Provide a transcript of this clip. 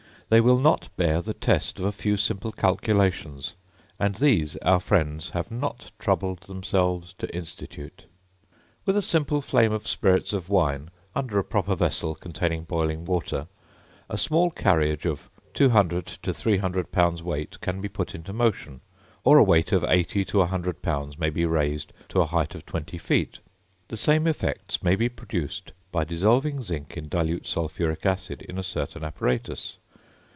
they will not bear the test of a few simple calculations; and these our friends have not troubled themselves to institute. With a simple flame of spirits of wine, under a proper vessel containing boiling water, a small carriage of 200 to 300 pounds weight can be put into motion, or a weight of 80 to 100 pounds may be raised to a height of 20 feet. The same effects may be produced by dissolving zinc in dilute sulphuric acid in a certain apparatus.